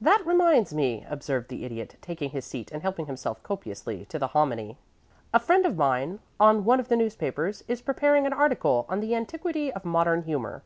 "That reminds me," observed the Idiot, taking his seat and helping himself copiously to the hominy. "A friend of mine on one of the newspapers is preparing an article on the 'Antiquity of Modern Humor.'